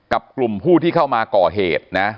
กับกลุ่มผู้ที่เข้ามาก่อเหตุนะ